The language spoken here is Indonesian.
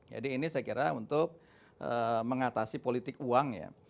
jadi ini saya kira untuk mengatasi politik uang ya